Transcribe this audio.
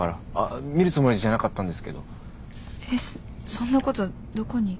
そんなことどこに。